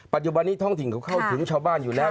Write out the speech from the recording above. ปัจจุบันนี้ท้องถิ่นเขาเข้าถึงชาวบ้านอยู่แล้ว